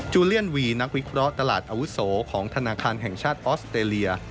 เลียนวีนักวิเคราะห์ตลาดอาวุโสของธนาคารแห่งชาติออสเตรเลีย